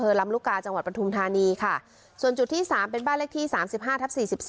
สังฆาธารหรือผ้าไตรจำหน่ายสังฆาธารหรือผ้าไตรจำหน่าย